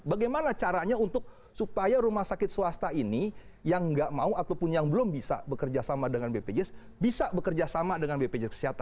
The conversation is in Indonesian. bagaimana caranya untuk supaya rumah sakit swasta ini yang nggak mau ataupun yang belum bisa bekerja sama dengan bpjs